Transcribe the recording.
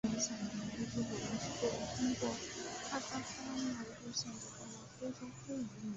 最明显的奴隶制活动是对通过跨撒哈拉贸易路线得到的非洲黑人的奴役。